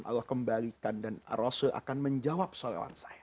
rasulullah kembalikan dan rasulullah akan menjawab sholawat saya